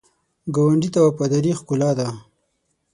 ګاونډي ته وفاداري ښکلا ده